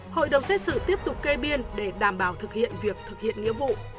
hội đồng xét xử tiếp tục kê biên để đảm bảo thực hiện việc thực hiện nghĩa vụ